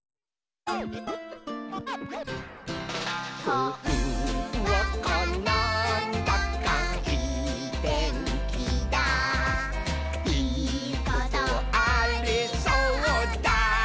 「ほんわかなんだかいいてんきだいいことありそうだ！」